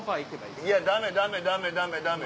いやダメダメダメダメダメ。